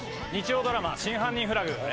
日曜ドラマ『真犯人フラグ』。